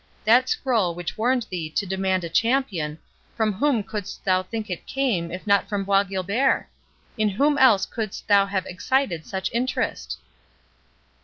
That scroll which warned thee to demand a champion, from whom couldst thou think it came, if not from Bois Guilbert? In whom else couldst thou have excited such interest?"